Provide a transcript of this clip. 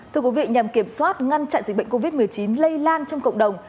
thưa quý vị nhằm kiểm soát ngăn chặn dịch bệnh covid một mươi chín lây lan trong cộng đồng